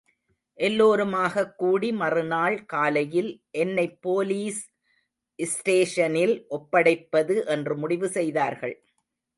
எல்லோருமாகக் கூடி மறுநாள் காலையில் என்னைப் போலீஸ் ஸ்டேஷனில் ஒப்படைப்பது என்று முடிவு செய்தார்கள்.